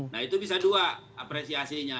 nah itu bisa dua apresiasinya